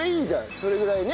それぐらいね。